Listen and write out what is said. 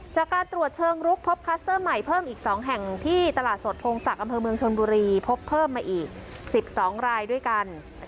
จากการตรวจเชิงลุกพบคลัสเตอร์ใหม่เพิ่มอีก๒แห่งที่ตลาดสดพงศักดิ์อำเภอเมืองชนบุรีพบเพิ่มมาอีก๑๒รายด้วยกัน